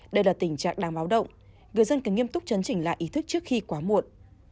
đây là tình trạng đáng báo động người dân cần nghiêm túc chấn chỉnh lại ý thức trước khi quá muộn